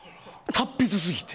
達筆すぎて。